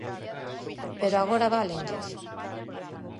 Pero agora válenlles.